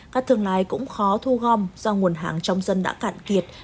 các thương lái cũng khó thu gom do nguồn hàng trong dân đã cạn kiệt